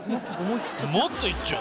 もっといっちゃう。